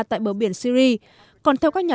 tại bờ biển syri còn theo các nhà